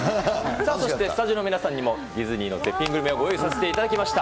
さあそして、スタジオの皆さんにも、ディズニーの絶品グルメをご用意させていただきました。